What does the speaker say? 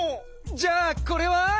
じゃあこれは？